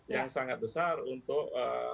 yang sangat besar untuk